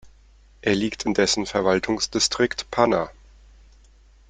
Er liegt in dessen Verwaltungsdistrikt Panna.